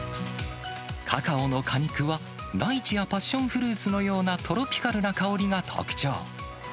カカオの果肉は、ライチやパッションフルーツのようなトロピカルな香りが特徴。